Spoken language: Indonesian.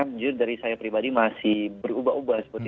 jujur dari saya pribadi masih berubah ubah seperti itu